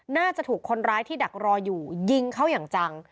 น่าจะถูกคนร้ายที่ดักรออยู่ยิงเข้าอย่างจัง